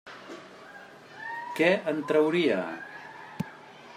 Què en trauria?